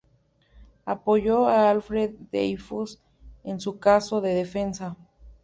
Apoyó a Alfred Dreyfus en su caso de defensa.